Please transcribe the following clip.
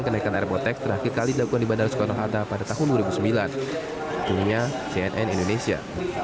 kenaikan airport tax ditanggapi beragam oleh para pengguna jasa